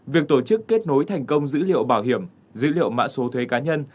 việc tổ chức kết nối thành công dữ liệu bảo hiểm dữ liệu mã số thuế cá nhân